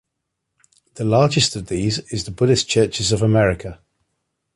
The largest of these is the Buddhist Churches of America.